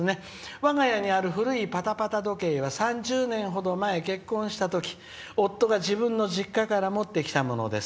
「我が家にある古いパタパタ時計は３０年ほど前に結婚したとき夫が自分の実家から持ってきたものです。